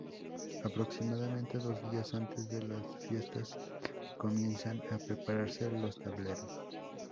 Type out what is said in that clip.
Aproximadamente dos días antes de las fiestas comienzan a prepararse los tableros.